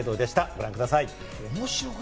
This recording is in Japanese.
ご覧ください。